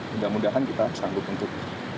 mudah mudahan kita sanggup untuk